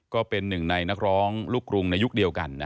ก็เป็นหนึ่งในนักร้องลูกกรุงในยุคเดียวกัน